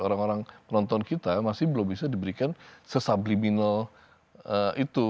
orang orang penonton kita masih belum bisa diberikan sesubriminal itu